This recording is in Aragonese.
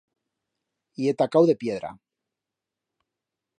Ye tacau de piedra.